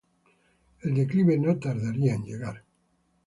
El declive no tardaría en llegar.